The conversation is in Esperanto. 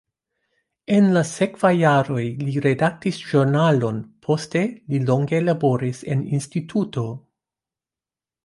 En la sekvaj jaroj li redaktis ĵurnalon, poste li longe laboris en instituto.